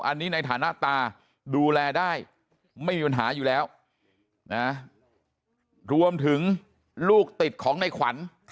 อันนี้ในฐานะตาดูแลได้ไม่มีปัญหาอยู่แล้วนะรวมถึงลูกติดของในขวัญ